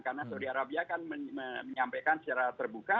karena saudi arabia kan menyampaikan secara terbuka